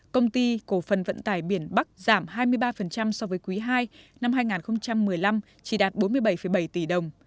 công ty cổ phần vận tải biển bắc giảm hai mươi ba so với quý ii năm hai nghìn một mươi năm chỉ đạt bốn mươi bảy bảy tỷ đồng